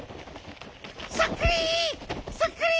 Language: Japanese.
そっくり。